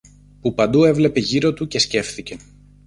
που παντού έβλεπε γύρω του και σκέφθηκε